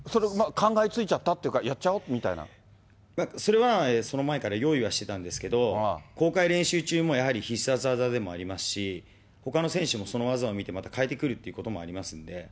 考えついちゃったってそれは、その前から用意はしてたんですけど、公開練習中も、やはり必殺技でもありますし、ほかの選手もその技を見て、また変えてくるということもありますので。